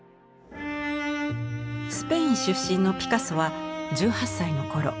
スペイン出身のピカソは１８歳のころ